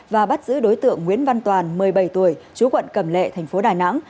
và bắt giữ đối tượng nguyễn văn toàn một mươi bảy tuổi chú quận cầm lệ tp đài nẵng